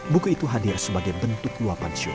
buku itu hadir sebagai bentuk luapan show